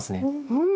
うん。